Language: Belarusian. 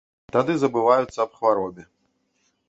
Тады забываюся аб хваробе.